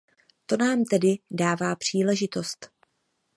To nám tedy dává příležitost.